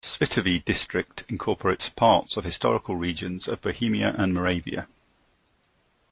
Svitavy District incorporates parts of historical regions of Bohemia and Moravia.